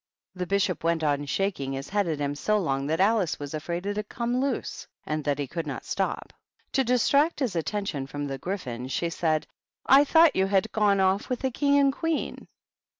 The Bishop went on shaking his head at him so long that Alice was afraid it had come loose, and that he could not stop. To distract his attention from the Gryphon, she said, " I thought you had gone off with the King and Queen."